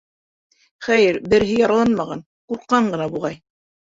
Хәйер, береһе яраланмаған, ҡурҡҡан ғына, буғай.